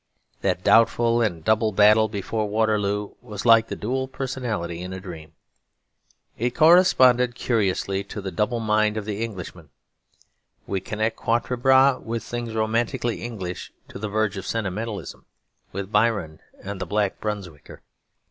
That doubtful and double battle before Waterloo was like the dual personality in a dream. It corresponded curiously to the double mind of the Englishman. We connect Quatre Bras with things romantically English to the verge of sentimentalism, with Byron and "The Black Brunswicker."